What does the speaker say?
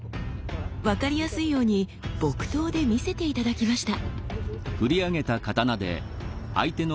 分かりやすいように木刀で見せて頂きました。